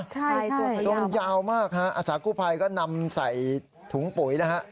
ใช่ตัวมันยาวมากฮะอาสากู้ภัยก็นำใส่ถุงปุ๋ยนะฮะ